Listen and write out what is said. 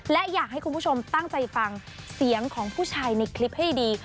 และอยากให้คุณผู้ชมตั้งใจฟังเสียงของผู้ชายในคลิปให้ดี